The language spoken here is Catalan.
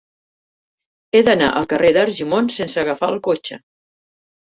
He d'anar al carrer d'Argimon sense agafar el cotxe.